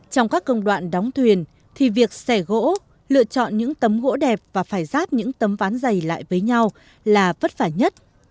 trong các công đoạn đóng thuyền thì việc xẻ gỗ lựa chọn những tấm gỗ đẹp và phải ráp những tấm ván dày lại với nhau là vất vả nhất